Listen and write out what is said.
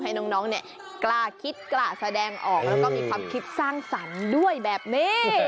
ให้น้องเนี่ยกล้าคิดกล้าแสดงออกแล้วก็มีความคิดสร้างสรรค์ด้วยแบบนี้